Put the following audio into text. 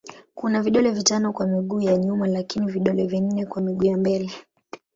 Kuna vidole vitano kwa miguu ya nyuma lakini vidole vinne kwa miguu ya mbele.